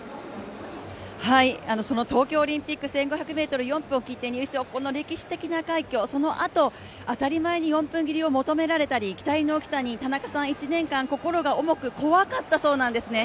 東京オリンピック１５００ｍ、４分を切って入賞、この歴史的な快挙、そのあと当たり前に４分切りを求められたり期待の大きさに田中さん１年間心が重く怖かったそうなんですね。